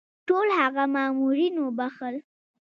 ټول هغه مامورین وبخښل.